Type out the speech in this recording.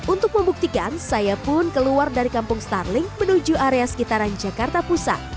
untuk membuktikan saya pun keluar dari kampung starling menuju area sekitaran jakarta pusat